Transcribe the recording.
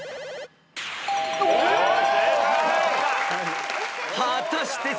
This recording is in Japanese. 正解。